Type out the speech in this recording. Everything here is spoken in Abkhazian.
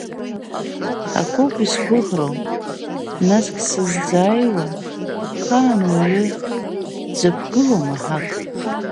Акоуп исгәыӷроу, насгь сыззааиуа, хаан уаҩ дзаԥгылом Аҳақ…